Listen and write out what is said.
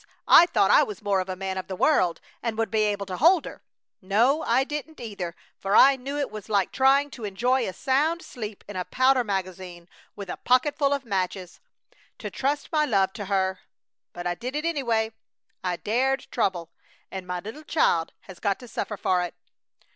I thought I was more of a man of the world, and would be able to hold her! No, I didn't, either, for I knew it was like trying to enjoy a sound sleep in a powder magazine with a pocketful of matches, to trust my love to her! But I did it, anyway! I dared trouble! And my little child has got to suffer for it!"